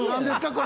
これ。